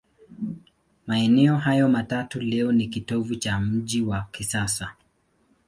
Maeneo hayo matatu leo ni kitovu cha mji wa kisasa.